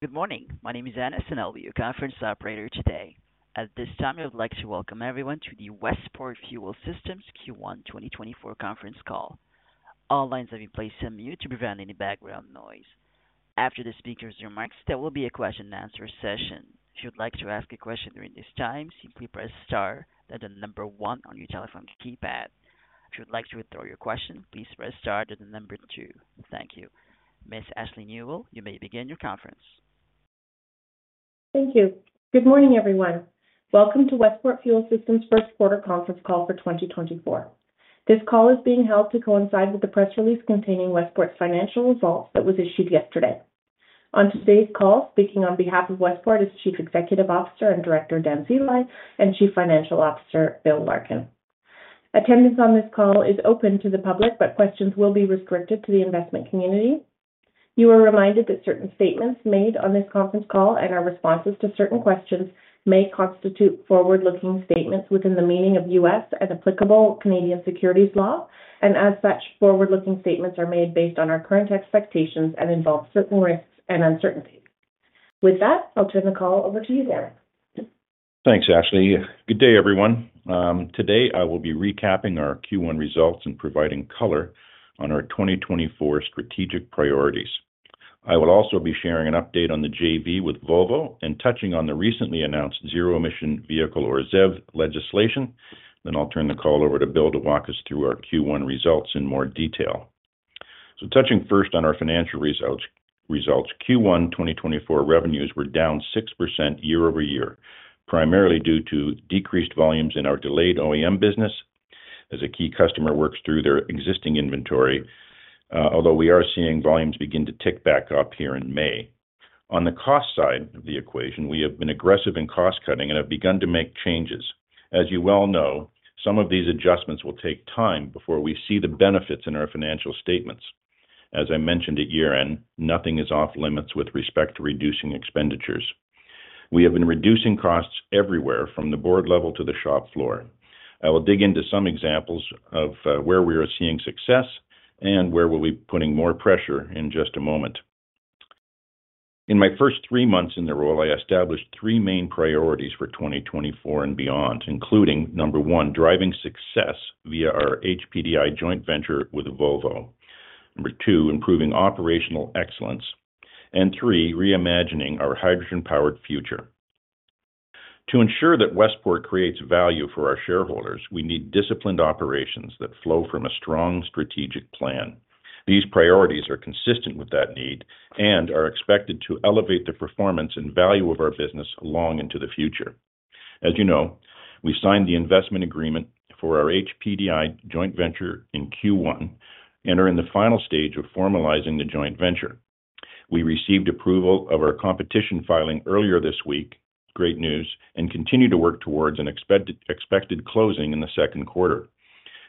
Good morning, my name is Dennis, and I'll be you conference operator today. At this time I would like to welcome everyone to the Westport Fuel Systems Q1 2024 conference call. All lines have been placed on mute to prevent any background noise. After the speaker's remarks, there will be a question-and-answer session. If you would like to ask a question during this time, simply press * then the number 1 on your telephone keypad. If you would like to withdraw your question, please press * then the number 2. Thank you. Ms. Ashley Nuell, you may begin your conference. Thank you. Good morning, everyone. Welcome to Westport Fuel Systems' first quarter conference call for 2024. This call is being held to coincide with the press release containing Westport's financial results that was issued yesterday. On today's call, speaking on behalf of Westport is Chief Executive Officer and Director Dan Sceli and Chief Financial Officer Bill Larkin. Attendance on this call is open to the public, but questions will be restricted to the investment community. You are reminded that certain statements made on this conference call and our responses to certain questions may constitute forward-looking statements within the meaning of U.S. and applicable Canadian securities law, and as such, forward-looking statements are made based on our current expectations and involve certain risks and uncertainties. With that, I'll turn the call over to you, Dan. Thanks, Ashley. Good day, everyone. Today I will be recapping our Q1 results and providing color on our 2024 strategic priorities. I will also be sharing an update on the JV with Volvo and touching on the recently announced Zero Emission Vehicle or ZEV legislation, then I'll turn the call over to Bill to walk us through our Q1 results in more detail. So touching first on our financial results, Q1 2024 revenues were down 6% year-over-year, primarily due to decreased volumes in our delayed OEM business as a key customer works through their existing inventory, although we are seeing volumes begin to tick back up here in May. On the cost side of the equation, we have been aggressive in cost-cutting and have begun to make changes. As you well know, some of these adjustments will take time before we see the benefits in our financial statements. As I mentioned at year-end, nothing is off-limits with respect to reducing expenditures. We have been reducing costs everywhere from the board level to the shop floor. I will dig into some examples of where we are seeing success and where we'll be putting more pressure in just a moment. In my first three months in the role, I established three main priorities for 2024 and beyond, including: number one, driving success via our HPDI joint venture with Volvo; number two, improving operational excellence; and three, reimagining our hydrogen-powered future. To ensure that Westport creates value for our shareholders, we need disciplined operations that flow from a strong strategic plan. These priorities are consistent with that need and are expected to elevate the performance and value of our business long into the future. As you know, we signed the investment agreement for our HPDI joint venture in Q1 and are in the final stage of formalizing the joint venture. We received approval of our competition filing earlier this week, great news, and continue to work towards an expected closing in the second quarter.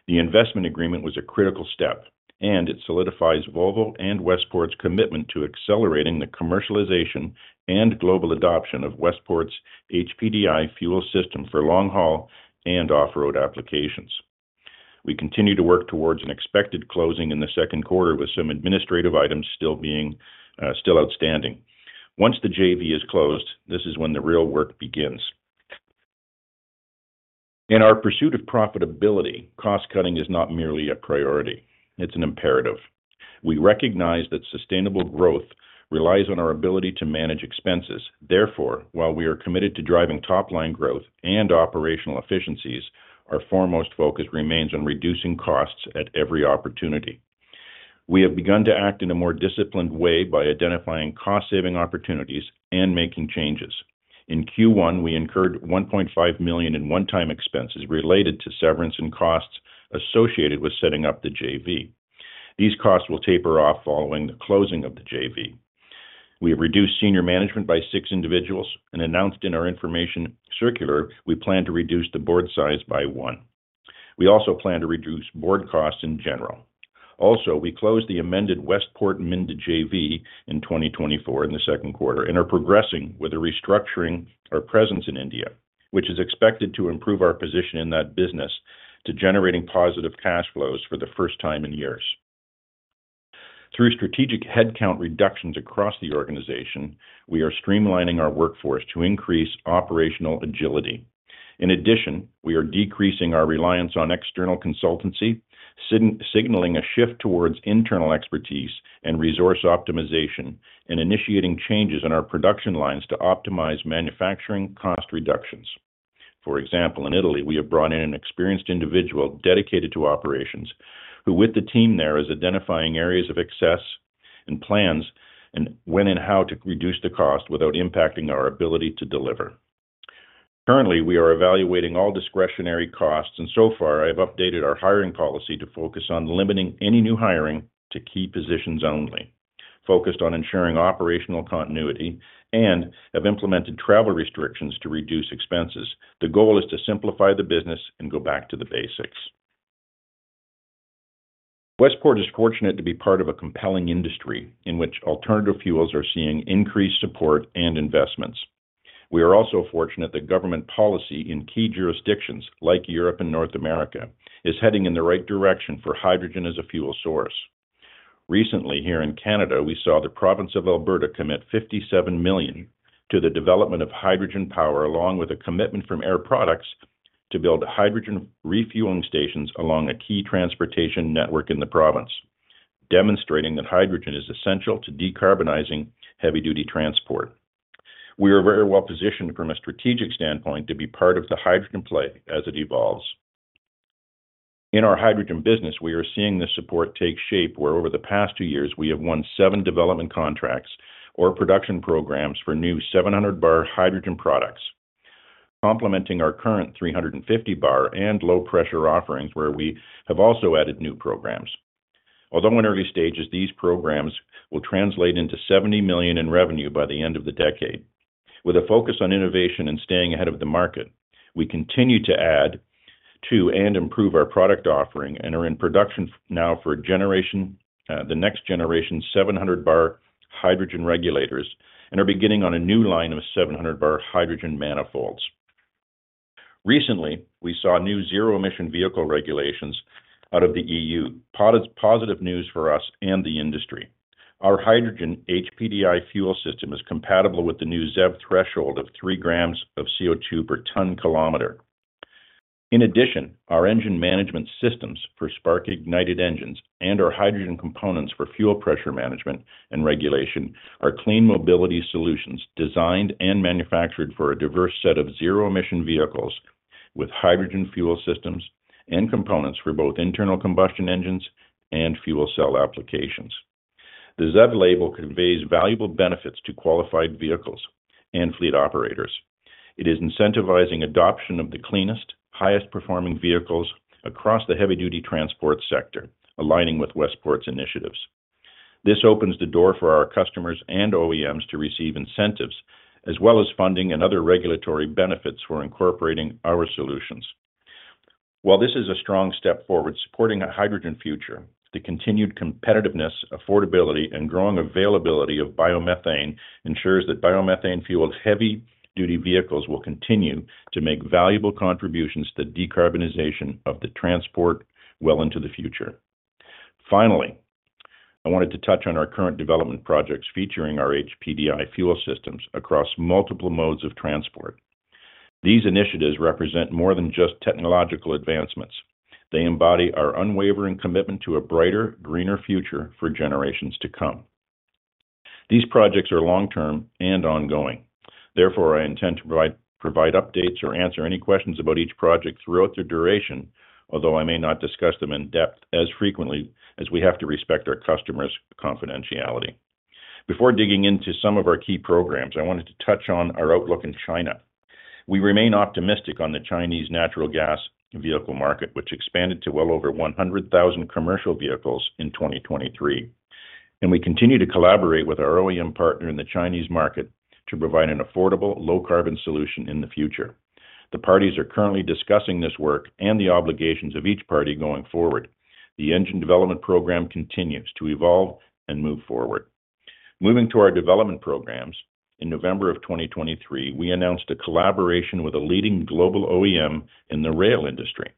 The investment agreement was a critical step, and it solidifies Volvo and Westport's commitment to accelerating the commercialization and global adoption of Westport's HPDI fuel system for long-haul and off-road applications. We continue to work towards an expected closing in the second quarter with some administrative items still outstanding. Once the JV is closed, this is when the real work begins. In our pursuit of profitability, cost-cutting is not merely a priority. It's an imperative. We recognize that sustainable growth relies on our ability to manage expenses. Therefore, while we are committed to driving top-line growth and operational efficiencies, our foremost focus remains on reducing costs at every opportunity. We have begun to act in a more disciplined way by identifying cost-saving opportunities and making changes. In Q1, we incurred 1.5 million in one-time expenses related to severance and costs associated with setting up the JV. These costs will taper off following the closing of the JV. We have reduced senior management by six individuals and announced in our information circular we plan to reduce the board size by one. We also plan to reduce board costs in general. Also, we closed the amended Westport Minda JV in 2024 in the second quarter and are progressing with a restructuring of our presence in India, which is expected to improve our position in that business to generating positive cash flows for the first time in years. Through strategic headcount reductions across the organization, we are streamlining our workforce to increase operational agility. In addition, we are decreasing our reliance on external consultancy, signaling a shift towards internal expertise and resource optimization, and initiating changes in our production lines to optimize manufacturing cost reductions. For example, in Italy, we have brought in an experienced individual dedicated to operations who, with the team there, is identifying areas of excess and plans and when and how to reduce the cost without impacting our ability to deliver. Currently, we are evaluating all discretionary costs, and so far I have updated our hiring policy to focus on limiting any new hiring to key positions only, focused on ensuring operational continuity, and have implemented travel restrictions to reduce expenses. The goal is to simplify the business and go back to the basics. Westport is fortunate to be part of a compelling industry in which alternative fuels are seeing increased support and investments. We are also fortunate that government policy in key jurisdictions like Europe and North America is heading in the right direction for hydrogen as a fuel source. Recently, here in Canada, we saw the province of Alberta commit 57 million to the development of hydrogen power along with a commitment from Air Products to build hydrogen refueling stations along a key transportation network in the province, demonstrating that hydrogen is essential to decarbonizing heavy-duty transport. We are very well positioned from a strategic standpoint to be part of the hydrogen play as it evolves. In our hydrogen business, we are seeing this support take shape where, over the past two years, we have won seven development contracts or production programs for new 700-bar hydrogen products, complementing our current 350-bar and low-pressure offerings where we have also added new programs. Although in early stages, these programs will translate into 70 million in revenue by the end of the decade. With a focus on innovation and staying ahead of the market, we continue to add to and improve our product offering and are in production now for the next generation 700-bar hydrogen regulators and are beginning on a new line of 700-bar hydrogen manifolds. Recently, we saw new zero-emission vehicle regulations out of the EU, positive news for us and the industry. Our hydrogen HPDI fuel system is compatible with the new ZEV threshold of three grams of CO2 per ton-km. In addition, our engine management systems for spark-ignited engines and our hydrogen components for fuel pressure management and regulation are clean mobility solutions designed and manufactured for a diverse set of zero-emission vehicles with hydrogen fuel systems and components for both internal combustion engines and fuel cell applications. The ZEV label conveys valuable benefits to qualified vehicles and fleet operators. It is incentivizing adoption of the cleanest, highest-performing vehicles across the heavy-duty transport sector, aligning with Westport's initiatives. This opens the door for our customers and OEMs to receive incentives as well as funding and other regulatory benefits for incorporating our solutions. While this is a strong step forward supporting a hydrogen future, the continued competitiveness, affordability, and growing availability of biomethane ensures that biomethane-fueled heavy-duty vehicles will continue to make valuable contributions to the decarbonization of the transport well into the future. Finally, I wanted to touch on our current development projects featuring our HPDI fuel systems across multiple modes of transport. These initiatives represent more than just technological advancements. They embody our unwavering commitment to a brighter, greener future for generations to come. These projects are long-term and ongoing. Therefore, I intend to provide updates or answer any questions about each project throughout their duration, although I may not discuss them in depth as frequently as we have to respect our customers' confidentiality. Before digging into some of our key programs, I wanted to touch on our outlook in China. We remain optimistic on the Chinese natural gas vehicle market, which expanded to well over 100,000 commercial vehicles in 2023. We continue to collaborate with our OEM partner in the Chinese market to provide an affordable, low-carbon solution in the future. The parties are currently discussing this work and the obligations of each party going forward. The engine development program continues to evolve and move forward. Moving to our development programs, in November of 2023, we announced a collaboration with a leading global OEM in the rail industry.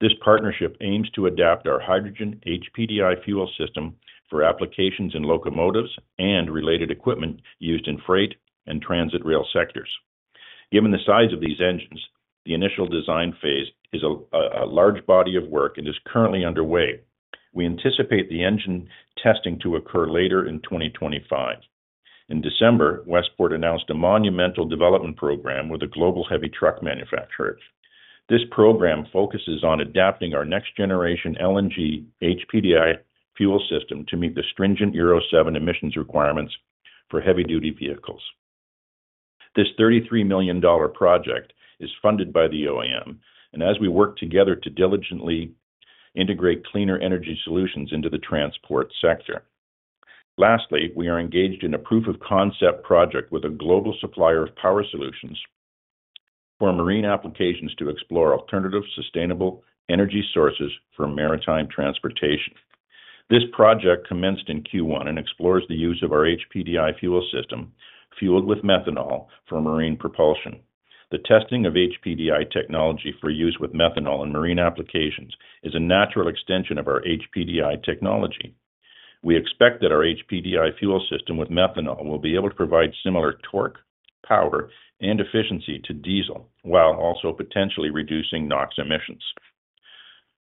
This partnership aims to adapt our hydrogen HPDI fuel system for applications in locomotives and related equipment used in freight and transit rail sectors. Given the size of these engines, the initial design phase is a large body of work and is currently underway. We anticipate the engine testing to occur later in 2025. In December, Westport announced a monumental development program with a global heavy truck manufacturer. This program focuses on adapting our next-generation LNG HPDI fuel system to meet the stringent Euro 7 emissions requirements for heavy-duty vehicles. This $33 million project is funded by the OEM, and as we work together to diligently integrate cleaner energy solutions into the transport sector. Lastly, we are engaged in a proof-of-concept project with a global supplier of power solutions for marine applications to explore alternative, sustainable energy sources for maritime transportation. This project commenced in Q1 and explores the use of our HPDI fuel system fueled with methanol for marine propulsion. The testing of HPDI technology for use with methanol in marine applications is a natural extension of our HPDI technology. We expect that our HPDI fuel system with methanol will be able to provide similar torque, power, and efficiency to diesel while also potentially reducing NOx emissions.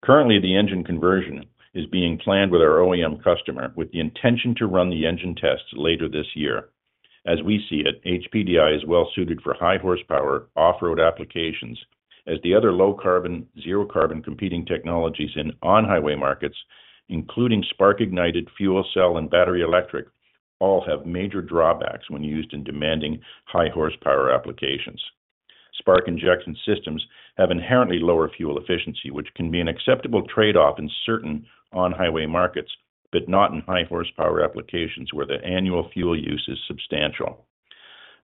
Currently, the engine conversion is being planned with our OEM customer with the intention to run the engine tests later this year. As we see it, HPDI is well-suited for high-horsepower off-road applications as the other low-carbon, zero-carbon competing technologies in on-highway markets, including spark-ignited fuel cell and battery electric, all have major drawbacks when used in demanding high-horsepower applications. Spark-injection systems have inherently lower fuel efficiency, which can be an acceptable trade-off in certain on-highway markets but not in high-horsepower applications where the annual fuel use is substantial.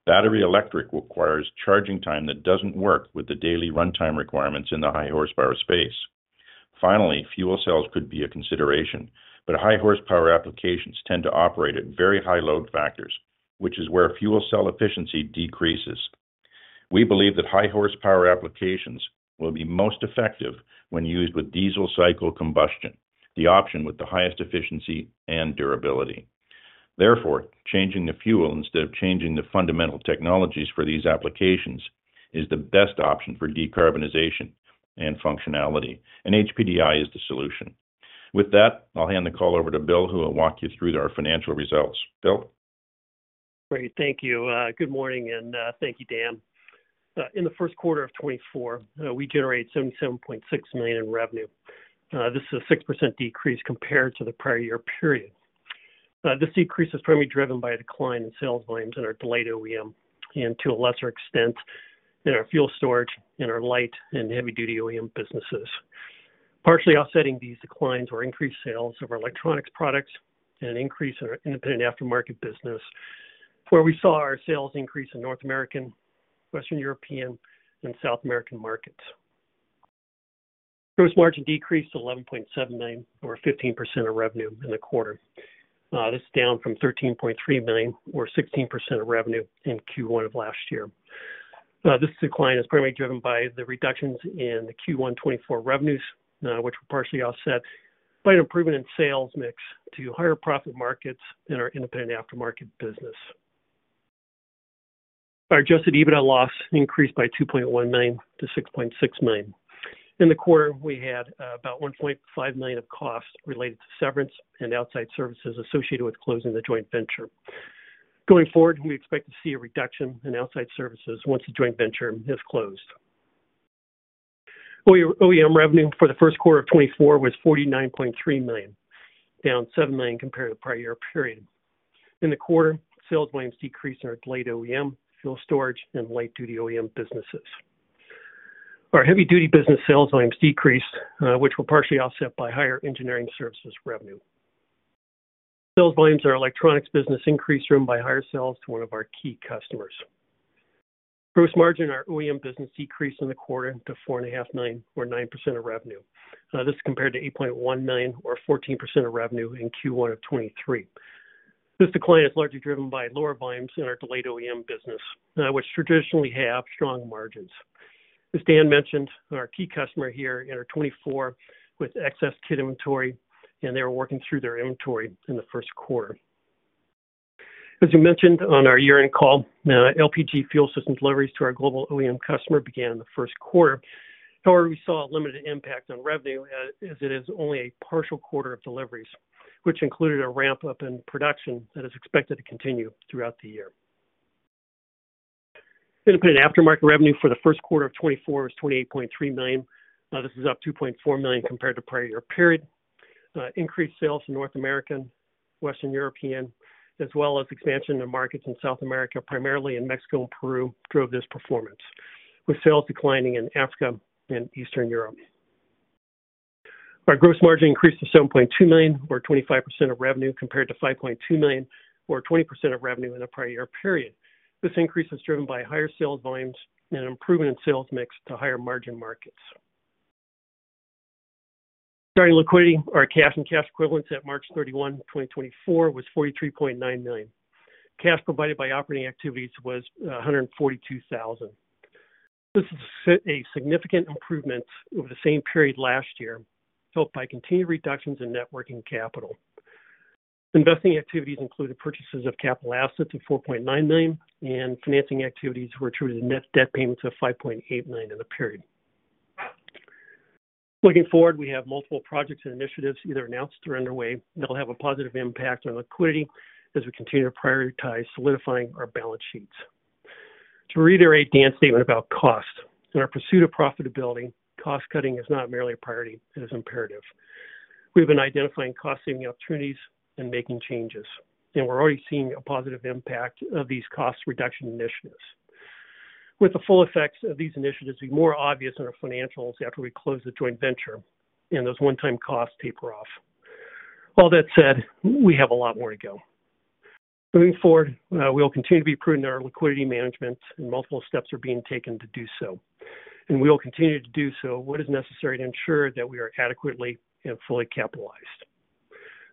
Battery electric requires charging time that doesn't work with the daily runtime requirements in the high-horsepower space. Finally, fuel cells could be a consideration, but high-horsepower applications tend to operate at very high load factors, which is where fuel cell efficiency decreases. We believe that high-horsepower applications will be most effective when used with diesel cycle combustion, the option with the highest efficiency and durability. Therefore, changing the fuel instead of changing the fundamental technologies for these applications is the best option for decarbonization and functionality, and HPDI is the solution. With that, I'll hand the call over to Bill, who will walk you through our financial results. Bill? Great. Thank you. Good morning, and thank you, Dan. In the first quarter of 2024, we generated 77.6 million in revenue. This is a 6% decrease compared to the prior year period. This decrease is primarily driven by a decline in sales volumes in our delayed OEM and, to a lesser extent, in our fuel storage and our light and heavy-duty OEM businesses. Partially offsetting these declines were increased sales of our electronics products and an increase in our independent aftermarket business, where we saw our sales increase in North American, Western European, and South American markets. Gross margin decreased to 11.7 million or 15% of revenue in the quarter. This is down from 13.3 million or 16% of revenue in Q1 of last year. This decline is primarily driven by the reductions in the Q1 2024 revenues, which were partially offset by an improvement in sales mix to higher profit markets in our independent aftermarket business. Our adjusted EBITDA loss increased by 2.1 million to $6.6 million. In the quarter, we had about 1.5 million of cost related to severance and outside services associated with closing the joint venture. Going forward, we expect to see a reduction in outside services once the joint venture has closed. OEM revenue for the first quarter of 2024 was 49.3 million, down 7 million compared to the prior year period. In the quarter, sales volumes decreased in our delayed OEM, fuel storage, and light-duty OEM businesses. Our heavy-duty business sales volumes decreased, which were partially offset by higher engineering services revenue. Sales volumes in our electronics business increased, driven by higher sales to one of our key customers. Gross margin in our OEM business decreased in the quarter to 4.5 million or 9% of revenue. This is compared to 8.1 million or 14% of revenue in Q1 of 2023. This decline is largely driven by lower volumes in our light-duty OEM business, which traditionally have strong margins. As Dan mentioned, our key customer here in 2024 with excess kit inventory, and they were working through their inventory in the first quarter. As you mentioned on our year-end call, LPG fuel system deliveries to our global OEM customer began in the first quarter. However, we saw a limited impact on revenue as it is only a partial quarter of deliveries, which included a ramp-up in production that is expected to continue throughout the year. Independent aftermarket revenue for the first quarter of 2024 was 28.3 million. This is up 2.4 million compared to the prior year period. Increased sales in North America, Western Europe, as well as expansion of markets in South America, primarily in Mexico and Peru, drove this performance, with sales declining in Africa and Eastern Europe. Our gross margin increased to 7.2 million or 25% of revenue compared to 5.2 million or 20% of revenue in the prior year period. Regarding liquidity, our cash and cash equivalents at March 31, 2024, was 43.9 million. Cash provided by operating activities was 142,000. This is a significant improvement over the same period last year, helped by continued reductions in net working capital. Investing activities included purchases of capital assets of 4.9 million, and financing activities were attributed to net debt payments of 5.8 million in the period. Looking forward, we have multiple projects and initiatives either announced or underway that will have a positive impact on liquidity as we continue to prioritize solidifying our balance sheets. To reiterate Dan's statement about cost, in our pursuit of profitability, cost-cutting is not merely a priority. It is imperative. We have been identifying cost-saving opportunities and making changes, and we're already seeing a positive impact of these cost reduction initiatives. With the full effects of these initiatives be more obvious in our financials after we close the joint venture and those one-time costs taper off. All that said, we have a lot more to go. Moving forward, we will continue to be prudent in our liquidity management, and multiple steps are being taken to do so. And we will continue to do so what is necessary to ensure that we are adequately and fully capitalized.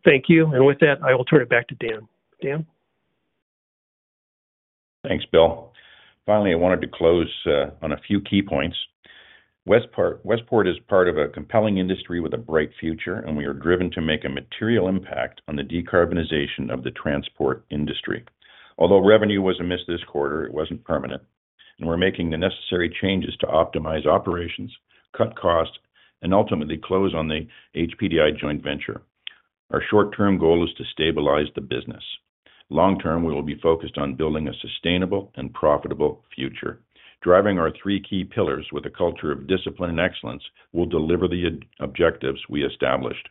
Thank you. And with that, I will turn it back to Dan. Dan? Thanks, Bill. Finally, I wanted to close on a few key points. Westport is part of a compelling industry with a bright future, and we are driven to make a material impact on the decarbonization of the transport industry. Although revenue was a miss this quarter, it wasn't permanent. And we're making the necessary changes to optimize operations, cut costs, and ultimately close on the HPDI joint venture. Our short-term goal is to stabilize the business. Long-term, we will be focused on building a sustainable and profitable future. Driving our three key pillars with a culture of discipline and excellence will deliver the objectives we established.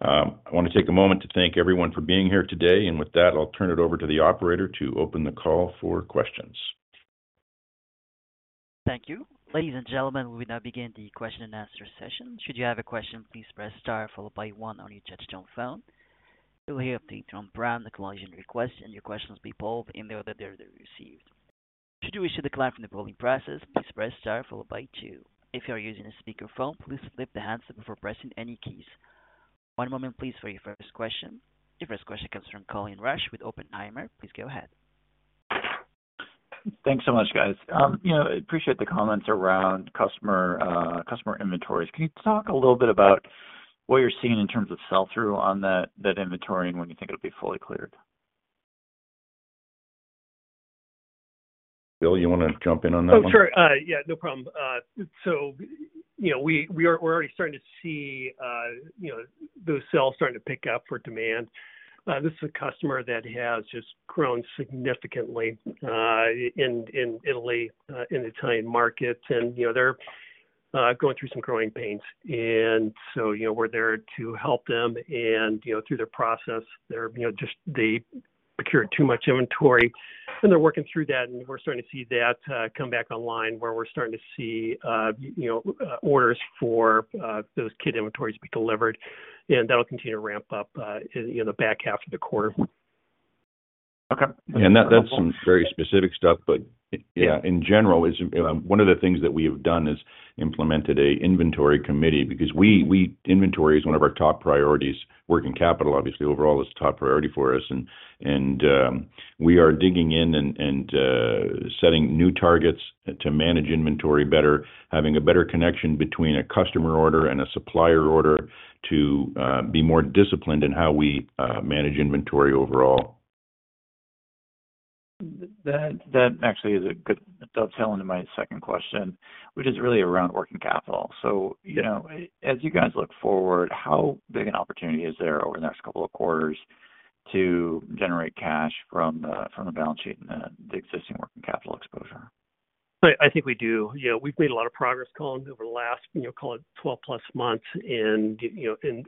I want to take a moment to thank everyone for being here today. With that, I'll turn it over to the operator to open the call for questions. Thank you. Ladies and gentlemen, we will now begin the question-and-answer session. Should you have a question, please press * followed by 1 on your touchtone phone. You will hear a three-tone prompt acknowledging your request, and your questions will be polled in the order they're received. Should you wish to decline from the polling process, please press * followed by two. If you are using a speakerphone, please pick up the handset before pressing any keys. One moment, please, for your first question. Your first question comes from Colin Rusch with Oppenheimer. Please go ahead. Thanks so much, guys. I appreciate the comments around customer inventories. Can you talk a little bit about what you're seeing in terms of sell-through on that inventory and when you think it'll be fully cleared? Bill, you want to jump in on that one? Oh, sure. Yeah, no problem. So we're already starting to see those sales starting to pick up for demand. This is a customer that has just grown significantly in Italy, in the Italian market, and they're going through some growing pains. And so we're there to help them. And through their process, they've procured too much inventory, and they're working through that. And we're starting to see that come back online where we're starting to see orders for those kit inventories be delivered. And that'll continue to ramp up in the back half of the quarter. Okay. Yeah, and that's some very specific stuff. But yeah, in general, one of the things that we have done is implemented an inventory committee because inventory is one of our top priorities. Working capital, obviously, overall is a top priority for us. And we are digging in and setting new targets to manage inventory better, having a better connection between a customer order and a supplier order to be more disciplined in how we manage inventory overall. That actually is a good dovetail into my second question, which is really around working capital. So as you guys look forward, how big an opportunity is there over the next couple of quarters to generate cash from the balance sheet and the existing working capital exposure? I think we do. We've made a lot of progress, Colin, over the last, call it, 12+ months in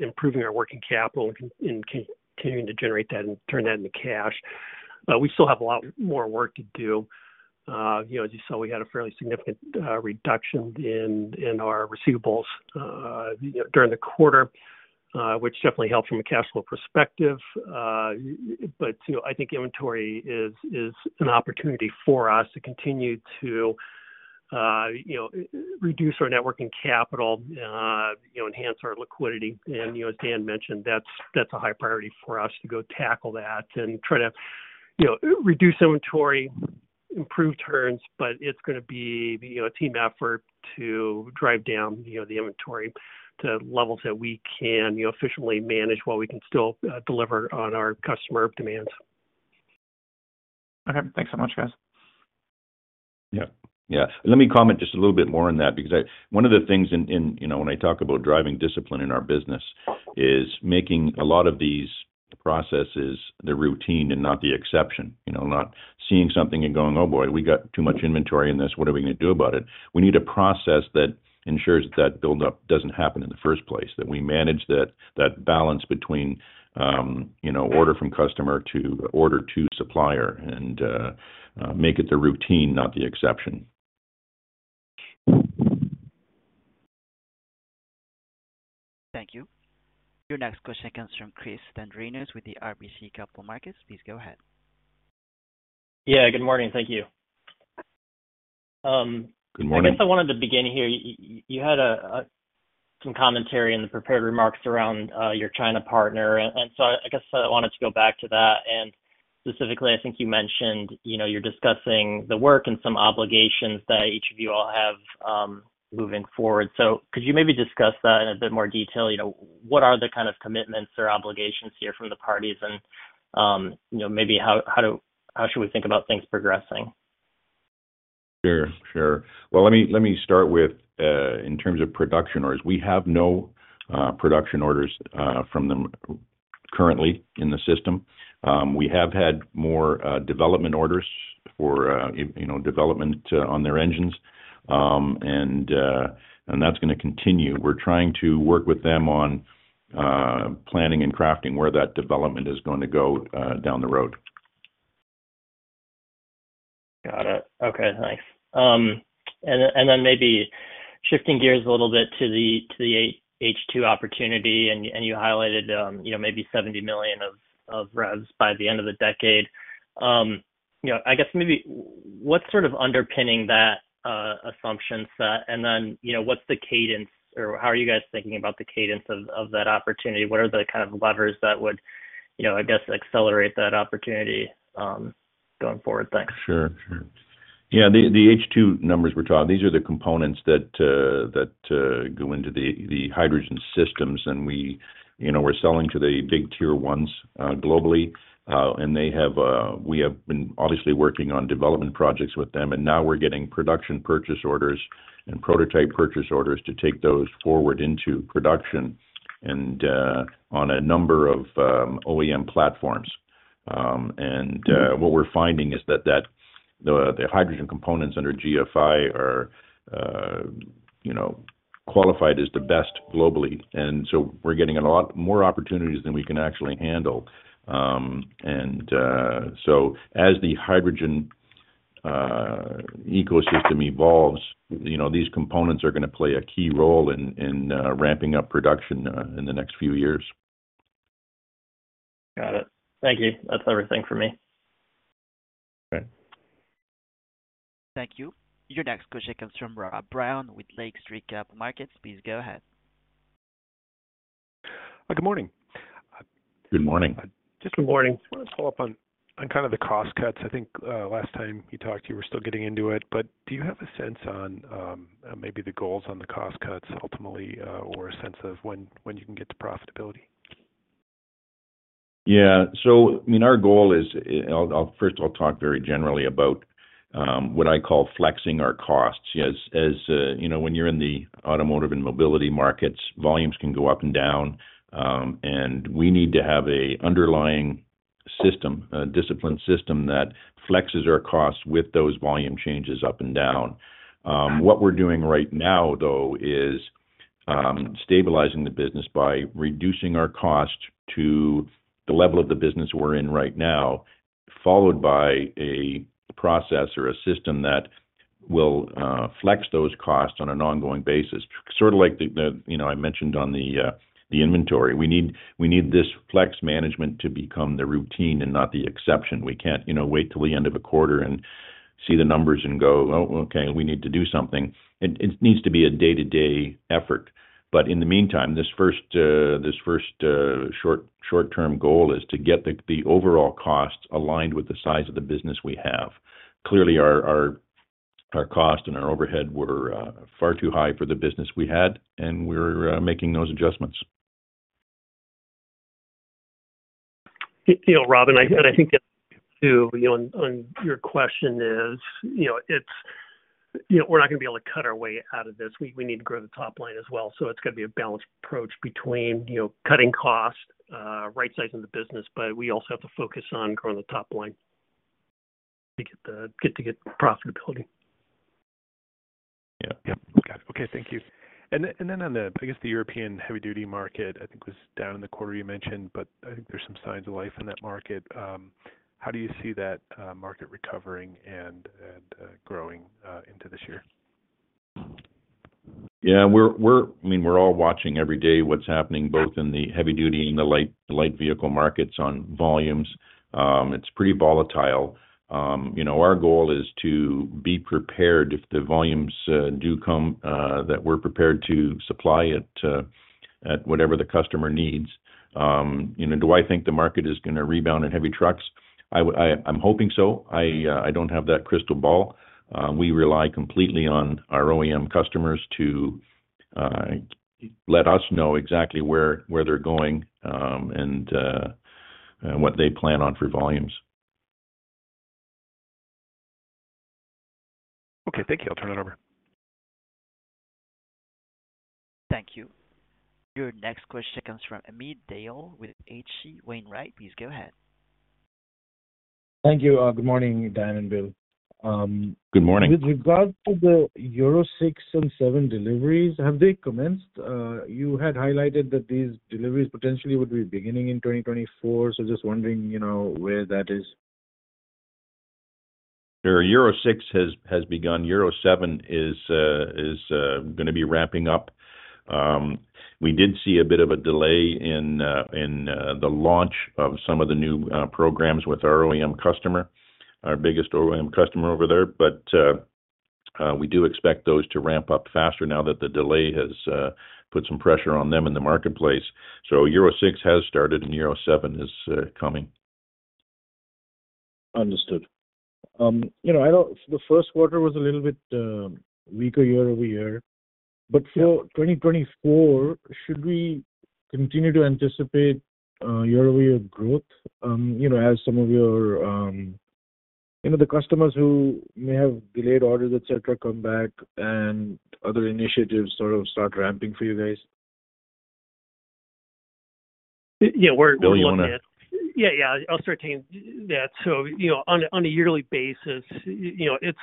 improving our working capital and continuing to generate that and turn that into cash. We still have a lot more work to do. As you saw, we had a fairly significant reduction in our receivables during the quarter, which definitely helped from a cash flow perspective. But I think inventory is an opportunity for us to continue to reduce our net working capital, enhance our liquidity. And as Dan mentioned, that's a high priority for us to go tackle that and try to reduce inventory, improve turns, but it's going to be a team effort to drive down the inventory to levels that we can efficiently manage while we can still deliver on our customer demands. Okay. Thanks so much, guys. Yeah. Yeah. Let me comment just a little bit more on that because one of the things when I talk about driving discipline in our business is making a lot of these processes the routine and not the exception, not seeing something and going, "Oh, boy, we got too much inventory in this. What are we going to do about it?" We need a process that ensures that that buildup doesn't happen in the first place, that we manage that balance between order from customer to order to supplier and make it the routine, not the exception. Thank you. Your next question comes from Chris Dendrinos with the RBC Capital Markets. Please go ahead. Yeah. Good morning. Thank you. Good morning. I guess I wanted to begin here. You had some commentary in the prepared remarks around your China partner. So I guess I wanted to go back to that. And specifically, I think you mentioned you're discussing the work and some obligations that each of you all have moving forward. So could you maybe discuss that in a bit more detail? What are the kind of commitments or obligations here from the parties? And maybe how should we think about things progressing? Sure. Sure. Well, let me start with in terms of production orders. We have no production orders from them currently in the system. We have had more development orders for development on their engines, and that's going to continue. We're trying to work with them on planning and crafting where that development is going to go down the road. Got it. Okay. Nice. And then maybe shifting gears a little bit to the H2 opportunity, and you highlighted maybe 70 million of revs by the end of the decade. I guess maybe what's sort of underpinning that assumption set? And then what's the cadence, or how are you guys thinking about the cadence of that opportunity? What are the kind of levers that would, I guess, accelerate that opportunity going forward? Thanks. Sure. Sure. Yeah. The H2 numbers we're talking about, these are the components that go into the hydrogen systems. And we're selling to the big Tier 1s globally, and we have been obviously working on development projects with them. And now we're getting production purchase orders and prototype purchase orders to take those forward into production and on a number of OEM platforms. And what we're finding is that the hydrogen components under GFI are qualified as the best globally. And so we're getting a lot more opportunities than we can actually handle. And so as the hydrogen ecosystem evolves, these components are going to play a key role in ramping up production in the next few years. Got it. Thank you. That's everything for me. Okay. Thank you. Your next question comes from Rob Brown with Lake Street Capital Markets. Please go ahead. Good morning. Good morning. Just good morning. I just want to pull up on kind of the cost cuts. I think last time we talked, you were still getting into it. But do you have a sense on maybe the goals on the cost cuts ultimately or a sense of when you can get to profitability? Yeah. So I mean, our goal is, first I'll talk very generally about what I call flexing our costs. As when you're in the automotive and mobility markets, volumes can go up and down, and we need to have an underlying system, a discipline system that flexes our costs with those volume changes up and down. What we're doing right now, though, is stabilizing the business by reducing our cost to the level of the business we're in right now, followed by a process or a system that will flex those costs on an ongoing basis, sort of like I mentioned on the inventory. We need this flex management to become the routine and not the exception. We can't wait till the end of a quarter and see the numbers and go, "Oh, okay, we need to do something." It needs to be a day-to-day effort. But in the meantime, this first short-term goal is to get the overall costs aligned with the size of the business we have. Clearly, our cost and our overhead were far too high for the business we had, and we're making those adjustments. You know, Robin, I think that too. On your question is, we're not going to be able to cut our way out of this. We need to grow the top line as well. So it's got to be a balanced approach between cutting cost, right size in the business, but we also have to focus on growing the top line to get profitability. Yeah. Got it. Okay. Thank you. And then on the, I guess, the European heavy-duty market, I think was down in the quarter you mentioned, but I think there's some signs of life in that market. How do you see that market recovering and growing into this year? Yeah. I mean, we're all watching every day what's happening both in the heavy-duty and the light vehicle markets on volumes. It's pretty volatile. Our goal is to be prepared if the volumes do come that we're prepared to supply at whatever the customer needs. Do I think the market is going to rebound in heavy trucks? I'm hoping so. I don't have that crystal ball. We rely completely on our OEM customers to let us know exactly where they're going and what they plan on for volumes. Okay. Thank you. I'll turn it over. Thank you. Your next question comes from Amit Dayal with H.C. Wainwright. Please go ahead. Thank you. Good morning, Dan and Bill. Good morning. With regard to the Euro 6 and 7 deliveries, have they commenced? You had highlighted that these deliveries potentially would be beginning in 2024. So just wondering where that is. Sure. Euro 6 has begun. Euro 7 is going to be wrapping up. We did see a bit of a delay in the launch of some of the new programs with our OEM customer, our biggest OEM customer over there. But we do expect those to ramp up faster now that the delay has put some pressure on them in the marketplace. So Euro 6 has started and Euro 7 is coming. Understood. The first quarter was a little bit weaker year-over-year. But for 2024, should we continue to anticipate year-over-year growth as some of the customers who may have delayed orders, etc., come back and other initiatives sort of start ramping for you guys? Yeah. We're looking at. Yeah. Yeah. I'll start taking that. So on a yearly basis, it's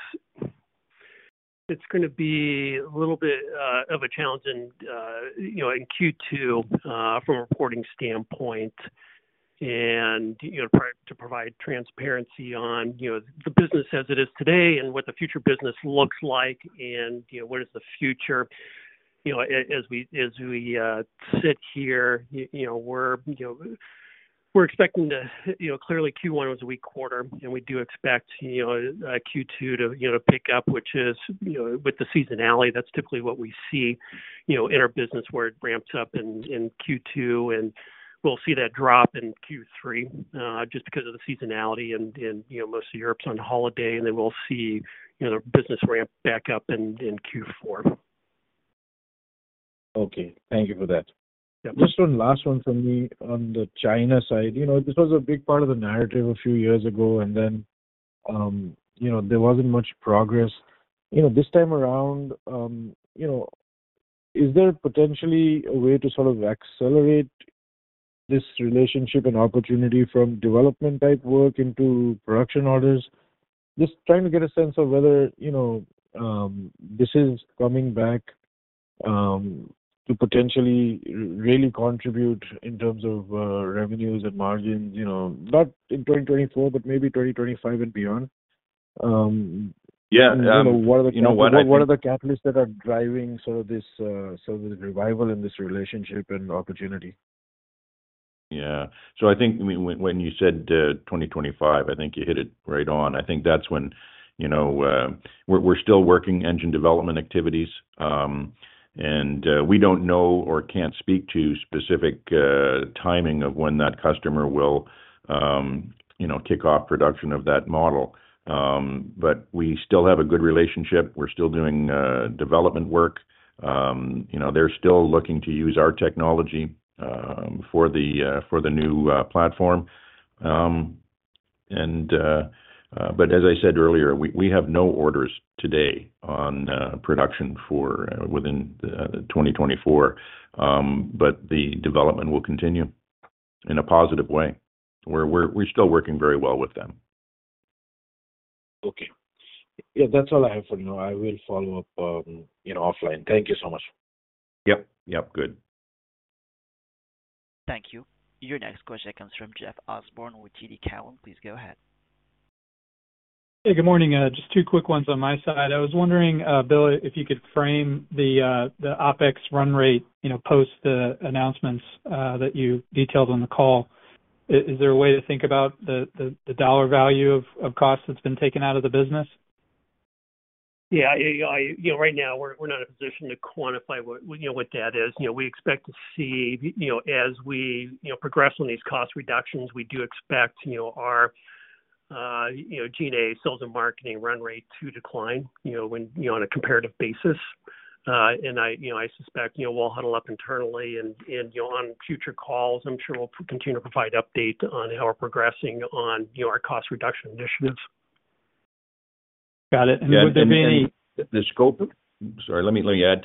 going to be a little bit of a challenge in Q2 from a reporting standpoint and to provide transparency on the business as it is today and what the future business looks like and what is the future. As we sit here, we're expecting to clearly Q1 was a weak quarter, and we do expect Q2 to pick up, which is with the seasonality, that's typically what we see in our business where it ramps up in Q2, and we'll see that drop in Q3 just because of the seasonality. And most of Europe's on holiday, and they will see their business ramp back up in Q4. Okay. Thank you for that. Just one last one from me on the China side. This was a big part of the narrative a few years ago, and then there wasn't much progress. This time around, is there potentially a way to sort of accelerate this relationship and opportunity from development-type work into production orders? Just trying to get a sense of whether this is coming back to potentially really contribute in terms of revenues and margins, not in 2024, but maybe 2025 and beyond. What are the catalysts that are driving sort of this revival in this relationship and opportunity? Yeah. So I think when you said 2025, I think you hit it right on. I think that's when we're still working engine development activities, and we don't know or can't speak to specific timing of when that customer will kick off production of that model. But we still have a good relationship. We're still doing development work. They're still looking to use our technology for the new platform. But as I said earlier, we have no orders today on production within 2024, but the development will continue in a positive way. We're still working very well with them. Okay. Yeah. That's all I have for you. I will follow up offline. Thank you so much. Yep. Yep. Good. Thank you. Your next question comes from Jeff Osborne with TD Cowen. Please go ahead. Hey. Good morning. Just two quick ones on my side. I was wondering, Bill, if you could frame the OpEx run rate post the announcements that you detailed on the call. Is there a way to think about the dollar value of costs that's been taken out of the business? Yeah. Right now, we're not in a position to quantify what that is. We expect to see as we progress on these cost reductions, we do expect our G&A, sales and marketing run rate to decline on a comparative basis. I suspect we'll huddle up internally. On future calls, I'm sure we'll continue to provide updates on how we're progressing on our cost reduction initiatives. Got it. Let me add to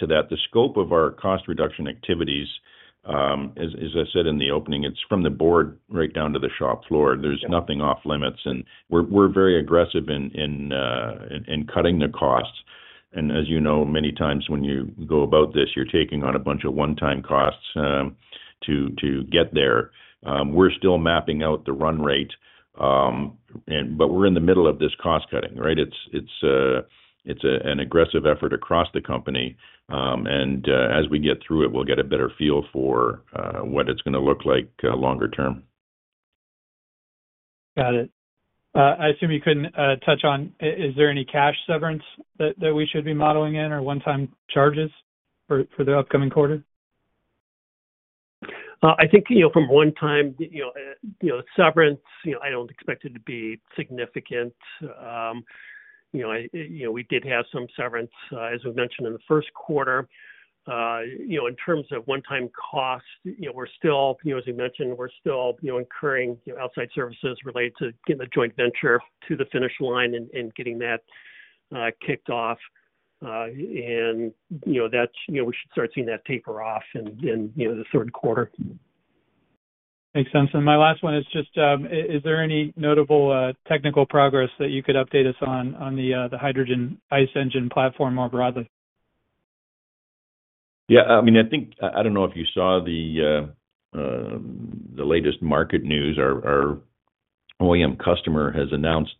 that. The scope of our cost reduction activities, as I said in the opening, it's from the board right down to the shop floor. There's nothing off limits. We're very aggressive in cutting the costs. As you know, many times when you go about this, you're taking on a bunch of one-time costs to get there. We're still mapping out the run rate, but we're in the middle of this cost cutting, right? It's an aggressive effort across the company. As we get through it, we'll get a better feel for what it's going to look like longer term. Got it. I assume you couldn't touch on is there any cash severance that we should be modeling in or one-time charges for the upcoming quarter? I think from one-time severance, I don't expect it to be significant. We did have some severance, as we mentioned, in the first quarter. In terms of one-time cost, we're still as we mentioned, we're still incurring outside services related to getting the joint venture to the finish line and getting that kicked off. And we should start seeing that taper off in the third quarter. Makes sense. And my last one is just, is there any notable technical progress that you could update us on the hydrogen ICE engine platform more broadly? Yeah. I mean, I don't know if you saw the latest market news. Our OEM customer has announced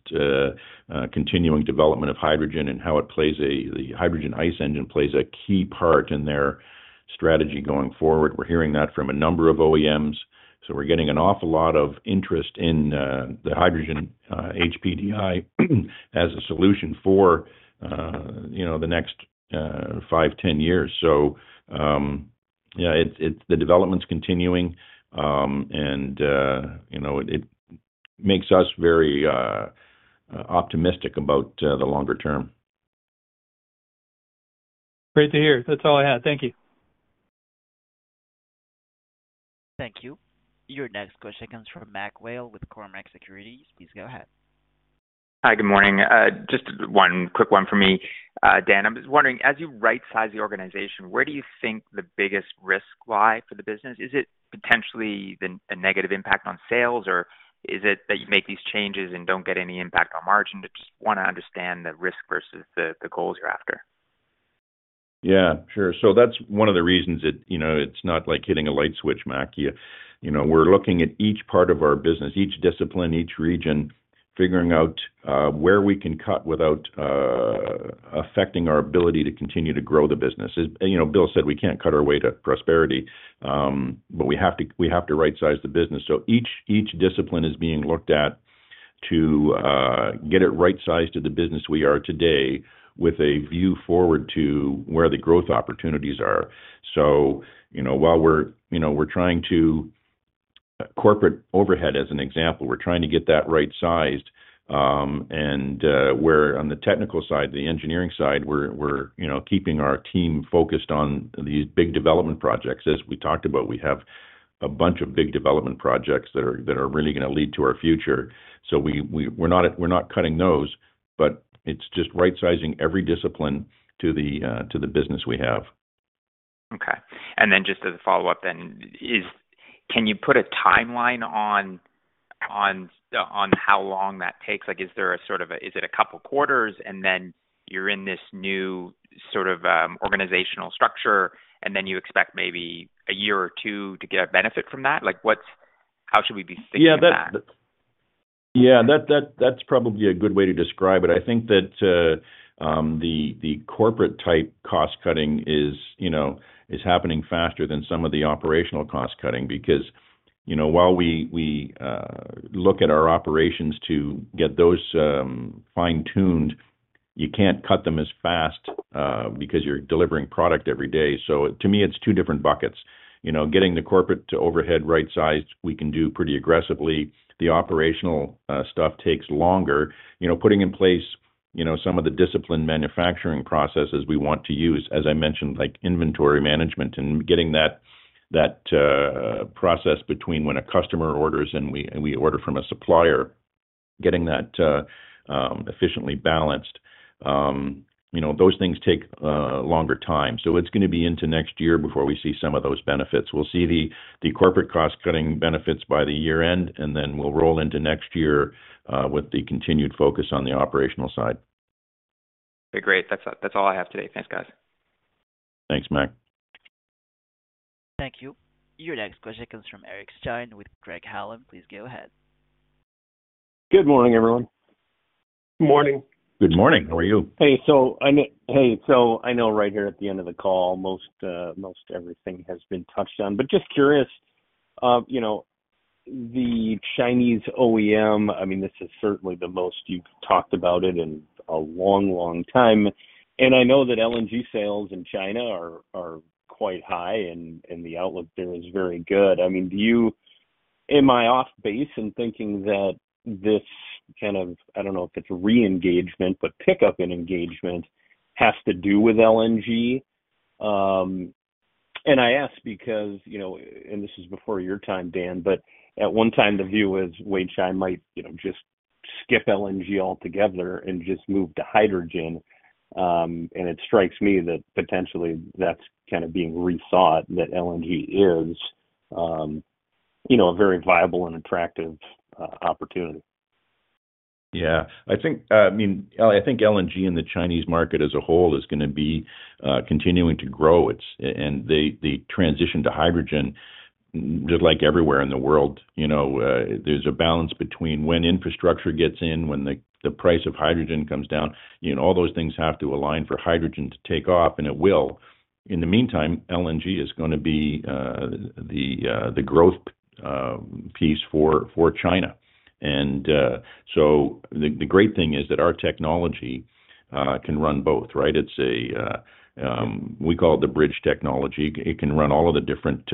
continuing development of hydrogen and how it plays the hydrogen ICE engine plays a key part in their strategy going forward. We're hearing that from a number of OEMs. So we're getting an awful lot of interest in the hydrogen HPDI as a solution for the next five-10 years. So yeah, the development's continuing, and it makes us very optimistic about the longer term. Great to hear. That's all I had. Thank you. Thank you. Your next question comes from Mac Whale with Cormark Securities. Please go ahead. Hi. Good morning. Just one quick one from me. Dan, I'm just wondering, as you right-size the organization, where do you think the biggest risk lie for the business? Is it potentially a negative impact on sales, or is it that you make these changes and don't get any impact on margin? I just want to understand the risk versus the goals you're after. Yeah. Sure. So that's one of the reasons it's not like hitting a light switch, Mac. We're looking at each part of our business, each discipline, each region, figuring out where we can cut without affecting our ability to continue to grow the business. Bill said we can't cut our way to prosperity, but we have to right-size the business. So each discipline is being looked at to get it right-sized to the business we are today with a view forward to where the growth opportunities are. So while we're trying to corporate overhead, as an example, we're trying to get that right-sized. Where on the technical side, the engineering side, we're keeping our team focused on these big development projects. As we talked about, we have a bunch of big development projects that are really going to lead to our future. So we're not cutting those, but it's just right-sizing every discipline to the business we have. Okay. And then just as a follow-up then, can you put a timeline on how long that takes? Is there a sort of, is it a couple of quarters, and then you're in this new sort of organizational structure, and then you expect maybe a year or two to get a benefit from that? How should we be thinking about that? Yeah. That's probably a good way to describe it. I think that the corporate-type cost cutting is happening faster than some of the operational cost cutting because while we look at our operations to get those fine-tuned, you can't cut them as fast because you're delivering product every day. So to me, it's two different buckets. Getting the corporate overhead right-sized, we can do pretty aggressively. The operational stuff takes longer. Putting in place some of the discipline manufacturing processes we want to use, as I mentioned, like inventory management and getting that process between when a customer orders and we order from a supplier, getting that efficiently balanced, those things take longer time. So it's going to be into next year before we see some of those benefits. We'll see the corporate cost cutting benefits by the year-end, and then we'll roll into next year with the continued focus on the operational side. Okay. Great. That's all I have today. Thanks, guys. Thanks, Mac. Thank you. Your next question comes from Eric Stine with Craig-Hallum. Please go ahead. Good morning, everyone. Good morning. Good morning. How are you? Hey. So I know right here at the end of the call, most everything has been touched on. But just curious, the Chinese OEM, I mean, this is certainly the most you've talked about it in a long, long time. And I know that LNG sales in China are quite high, and the outlook there is very good. I mean, am I off base in thinking that this kind of I don't know if it's re-engagement, but pickup and engagement has to do with LNG? And I ask because and this is before your time, Dan, but at one time, the view was Weichai might just skip LNG altogether and just move to hydrogen. And it strikes me that potentially, that's kind of being rethought, that LNG is a very viable and attractive opportunity. Yeah. I mean, I think LNG and the Chinese market as a whole is going to be continuing to grow. And they transition to hydrogen just like everywhere in the world. There's a balance between when infrastructure gets in, when the price of hydrogen comes down. All those things have to align for hydrogen to take off, and it will. In the meantime, LNG is going to be the growth piece for China. And so the great thing is that our technology can run both, right? We call it the bridge technology. It can run all of the different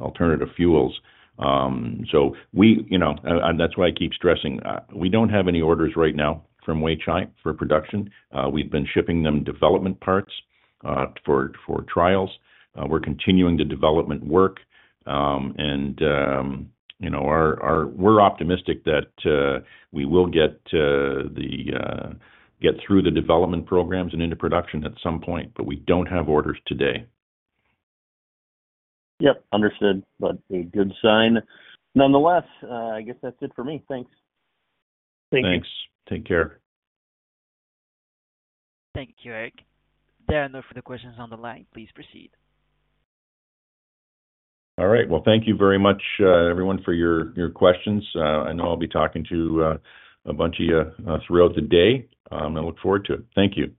alternative fuels. So that's why I keep stressing. We don't have any orders right now from Weichai for production. We've been shipping them development parts for trials. We're continuing the development work. We're optimistic that we will get through the development programs and into production at some point, but we don't have orders today. Yep. Understood. A good sign. Nonetheless, I guess that's it for me. Thanks. Thank you. Thanks. Take care. Thank you, Eric. There are no further questions on the line. Please proceed. All right. Well, thank you very much, everyone, for your questions. I know I'll be talking to a bunch of you throughout the day, and I look forward to it. Thank you.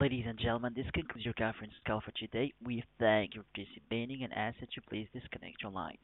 Ladies and gentlemen, this concludes your conference call for today. We thank you for participating, and ask that you please disconnect your lines.